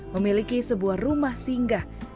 memiliki sebuah rumah yang berbeda dengan rumah rumah